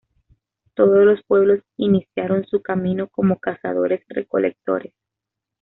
Todos los pueblos iniciaron su camino como cazadores-recolectores.